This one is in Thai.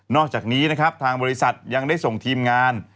อกจากนี้นะครับทางบริษัทยังได้ส่งทีมงาน